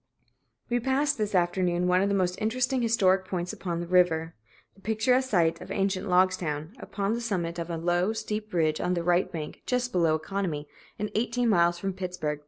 We passed, this afternoon, one of the most interesting historic points upon the river the picturesque site of ancient Logstown, upon the summit of a low, steep ridge on the right bank, just below Economy, and eighteen miles from Pittsburg.